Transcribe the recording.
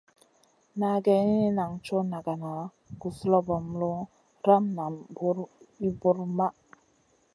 Na geyni, nan coʼ nagana, guzlobomu, ramu nam buw ir buwr maʼh.